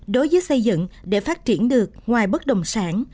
đối với xây dựng để phát triển được ngoài bất đồng sản